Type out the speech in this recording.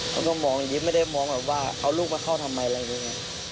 แบบหวังทีไม่ได้มองว่าเอาลูกมาเข้าทำไงอะไรอย่างนี้